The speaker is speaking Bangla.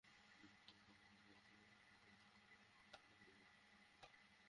আর্চারিতে সোনার পদক এনেছেন তামিমুল ইসলাম—সামোয়াতে যুব কমনওয়েলথ গেমসে রিকার্ভ বো ইভেন্টে।